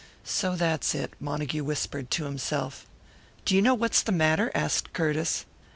"So that's it," Montague whispered to himself. "Do you know what's the matter?" asked Curtiss.